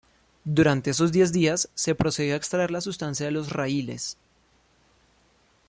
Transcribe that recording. Durante esos diez días se procedió a extraer la sustancia de los raíles.